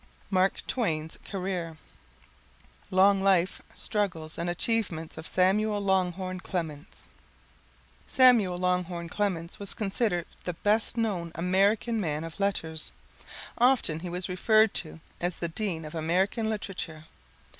Mark Twain's Career Long Life, Struggles, and Achievements of Samuel Langhorne Clemens Samuel Langhorne Clemens was considered the best known American man of letters. Often he was referred to as the "Dean of American literature."